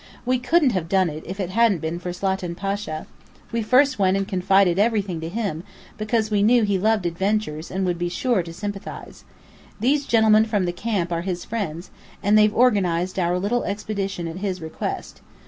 "We couldn't have done it, if it hadn't been for Slatin Pasha. We first went and confided everything to him, because we knew he loved adventures and would be sure to sympathize. These gentlemen from the camp are his friends, and they've organized our little expedition at his request.